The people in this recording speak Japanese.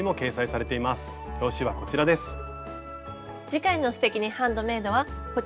表紙はこちらです。